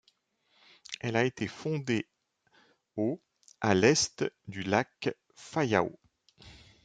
Elle a été fondée au à l'Est du lac Phayao.